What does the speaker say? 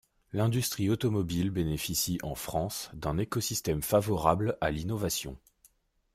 L’industrie automobile bénéficie en France d’un écosystème favorable à l’innovation.